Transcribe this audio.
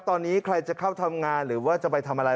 ตอนนี้ใครจะเข้าทำงานหรือว่าจะไปทำอะไร